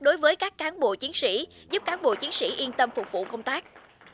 đối với các cán bộ chiến sĩ giúp cán bộ chiến sĩ yên tâm phục vụ công tác